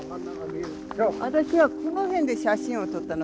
私はこの辺で写真を撮ったの。